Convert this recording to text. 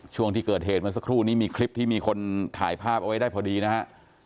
ช่วงที่เกิดเหตุเมื่อสักครู่นี้มีคลิปที่มีคนถ่ายภาพเอาไว้ได้พอดีนะฮะ